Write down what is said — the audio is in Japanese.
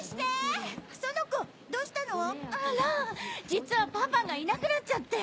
実はパパがいなくなっちゃって。